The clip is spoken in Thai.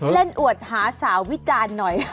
อวดหาสาววิจารณ์หน่อย